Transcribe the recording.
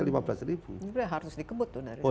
harus dikebut tuh dari